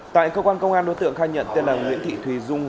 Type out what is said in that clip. tại cơ quan công an đối tượng khai nhận tên là nguyễn thị thùy dung